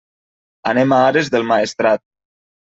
Anem a Ares del Maestrat.